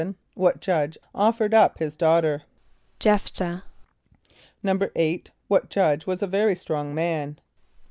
= What judge offered up his daughter? =J[)e]ph´thah.= =8.= What judge was a very strong man?